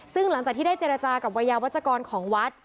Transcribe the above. ซึ่งหลังจากที่ได้เจรจากับวัยยาวัชกรของวัด